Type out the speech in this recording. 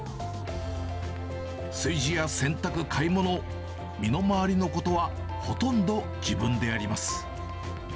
炊事や洗濯、買い物、身の回りのことはほとんど自分でやります。